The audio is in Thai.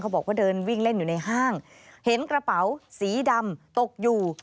บอกว่าเดินวิ่งเล่นอยู่ในห้างเห็นกระเป๋าสีดำตกอยู่